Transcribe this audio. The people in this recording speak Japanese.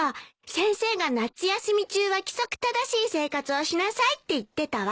先生が夏休み中は「規則正しい生活をしなさい」って言ってたわ。